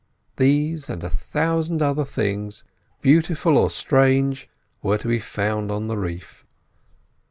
These and a thousand other things, beautiful or strange, were to be found on the reef.